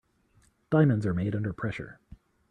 Diamonds are made under pressure.